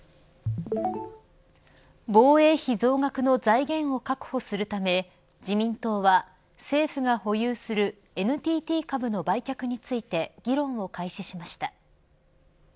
防衛費増額の財源を確保するため自民党は政府が保有するＮＴＴ株の売却について議論を開始しました。